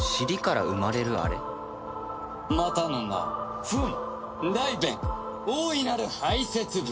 またの名をフン大便大いなる排泄物。